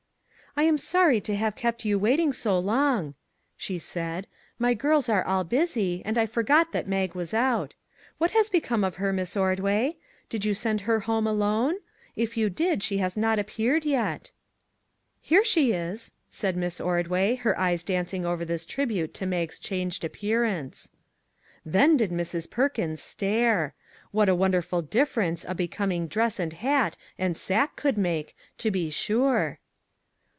" I am sorry to have kept you waiting so long," she said ;" the girls are all busy, and I forgot that Mag was out. What has become of her, Miss Ordway ? Did you send her home '59 MAG AND MARGARET alone? If you did, she has not appeared yet?" " Here she is," said Miss Ordway, her eyes dancing over this tribute to Mag's changed appearance. Then did Mrs. Perkins stare ! What a won derful difference a becoming dress and hat and sack could make, to be sure!